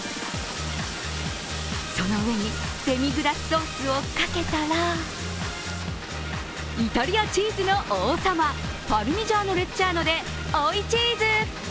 その上にデミグラスソースをかけたらイタリアチーズの王様、パルミジャーノ・レッジャーノで追いチーズ。